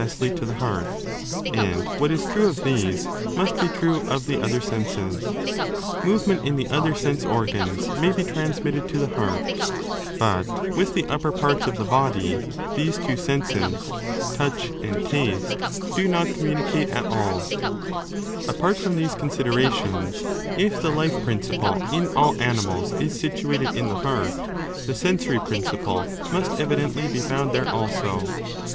feetly to the heart, and what is true of these must be trae of the other sense& Movement in the other sense organs may be transmitted to the heart, but with the upper parts of the body these two senses ([touch and taste]) 9 do not communicate at alL Apart from these con siderations, if the life principle in aU animals is situated in the heart, the sensory principle must evidently be found there also.